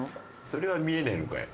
それは見えねえのかよ。